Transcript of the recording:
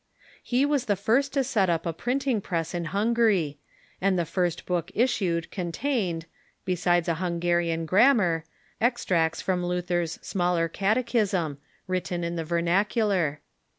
He was the first to set up a printing press in Hungary, and the first book issued contained, besides a Hungarian grammar, extracts from Luther's Smaller Cate chism, written in the vernacular.